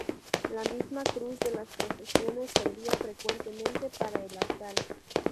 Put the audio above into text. La misma cruz de las procesiones servía frecuentemente para el altar.